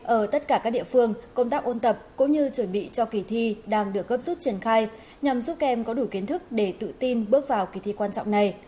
ở tất cả các địa phương công tác ôn tập cũng như chuẩn bị cho kỳ thi đang được gấp rút triển khai nhằm giúp các em có đủ kiến thức để tự tin bước vào kỳ thi quan trọng này